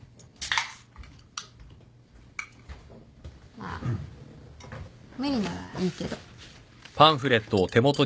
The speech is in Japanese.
まあ無理ならいいけど。